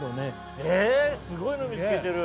すごいの見つけてる！